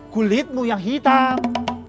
kulitmu yang hitam